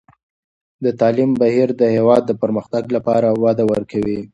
د تعلیم بهیر د هېواد د پرمختګ لپاره وده ورکوي.